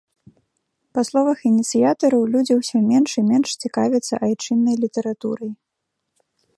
Па словах ініцыятараў, людзі ўсё менш і менш цікавяцца айчыннай літаратурай.